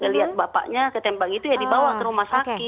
lihat bapaknya ketembak itu ya dibawa ke rumah sakit